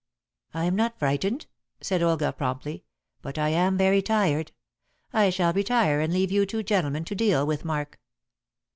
"I am not frightened," said Olga promptly; "but I am very tired. I shall retire and leave you two gentlemen to deal with Mark."